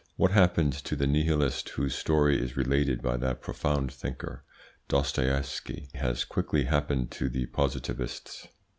What happened to the Nihilist whose story is related by that profound thinker Dostoiewsky has quickly happened to the Positivists.